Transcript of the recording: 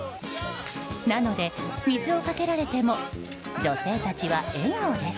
なので、水をかけられても女性たちは笑顔です。